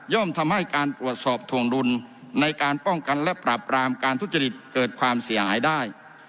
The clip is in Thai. ทำให้การตรวจสอบถวงดุลในการป้องกันและปราบรามการทุจริตเกิดความเสียหายได้